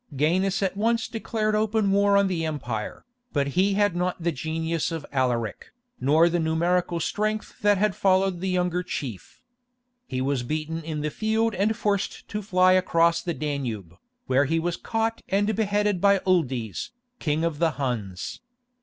Gainas at once declared open war on the empire, but he had not the genius of Alaric, nor the numerical strength that had followed the younger chief. He was beaten in the field and forced to fly across the Danube, where he was caught and beheaded by Uldes, King of the Huns.